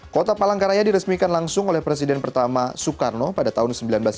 kota palangkaraya diresmikan langsung oleh presiden pertama soekarno pada tahun seribu sembilan ratus sembilan puluh